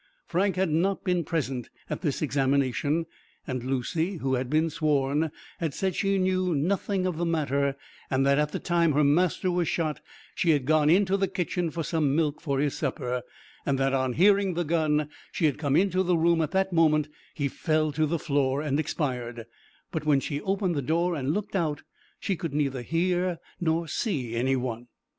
Frank had not been present at this examination, and Lucy, who had been sworn, had said she knew nothing of the matter; that at the time her master was shot she had gone into the kitchen for some milk for his supper, and that on hearing the gun, she had come into the room at the moment he fell to the floor and expired; but when she opened the door and looked out, she could neither hear nor see any one.